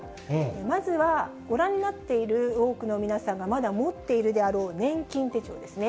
まずはご覧になっている多くの皆さんがまだ持っているであろう年金手帳ですね。